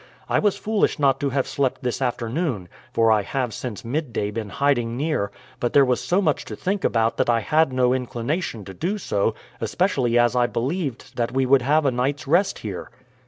I was foolish not to have slept this afternoon, for I have since midday been hiding near; but there was so much to think about that I had no inclination to do so, especially as I believed that we would have a night's rest here."